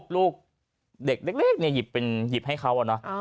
อันนี้ลูกเด็กเล็กเนี่ยหยิบเป็นหยิบให้เขานะ